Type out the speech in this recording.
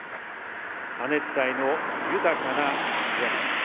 亜熱帯の豊かな自然。